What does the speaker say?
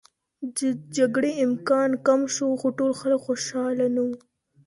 د جګړې امکان کم شو، خو ټول خلک خوشحاله نه و.